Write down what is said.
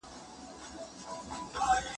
بیا د پاروپامیزاد په سردرو کې